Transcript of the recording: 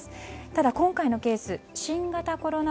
ただ今回のケース新型コロナ